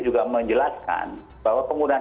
juga menjelaskan bahwa penggunaan